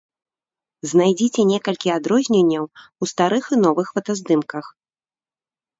Знайдзіце некалькі адрозненняў у старых і новых фотаздымках.